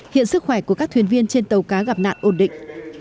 hiện sức khỏe của các thuyền viên trên tàu cá gặp nạn ổn định